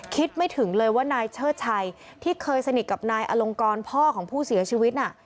คิดไม่ถึงเลยว่านายเชิดชัยที่เคยสนิทกับนายอลงกรพ่อของผู้เสียชีวิตน่ะ